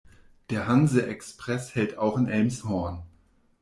Der Hanse-Express hält auch in Elmshorn.